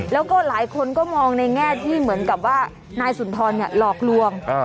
แล้วก็หลายคนก็มองในแง่ที่เหมือนกับว่านายสุนทรหลอกลวง